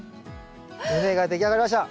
畝が出来上がりました。